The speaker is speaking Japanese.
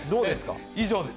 以上です。